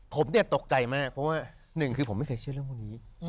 ผมตกใจมากเพราะว่า๑คือผมไม่เคยเชื่อเรื่องตรงนี้